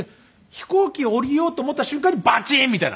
飛行機を降りようと思った瞬間にバチン！みたいな。